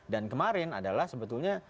dan kemarin adalah sebetulnya